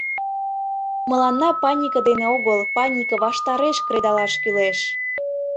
— Мыланна панике дене огыл, панике ваштареш кредалаш кӱлеш.